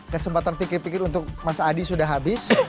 kesempatan pikir pikir untuk mas adi sudah habis